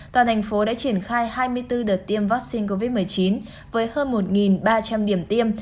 toàn thành phố đã triển khai hai mươi bốn đợt tiêm vaccine covid một mươi chín với hơn một ba trăm linh điểm tiêm